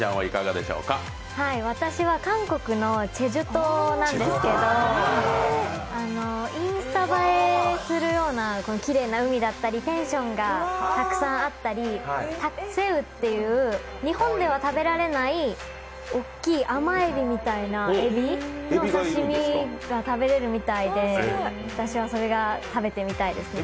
韓国のチェジュ島なんですけどインスタ映えするようなきれいな海だったりペンションがたくさんあったり日本では食べられないような大きい甘えび、えびの刺身が食べられるみたいで、私はそれが食べてみたいですね。